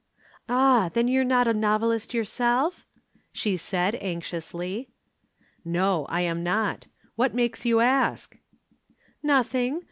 "Ah, then you're not a novelist yourself?" she said anxiously. "No, I am not. What makes you ask?" "Nothing.